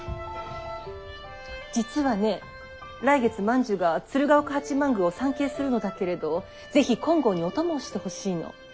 実はね来月万寿が鶴岡八幡宮を参詣するのだけれど是非金剛にお供をしてほしいの。